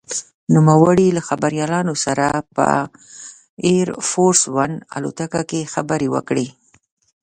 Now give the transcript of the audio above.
نوموړي له خبریالانو سره په «اېر فورس ون» الوتکه کې خبرې وکړې.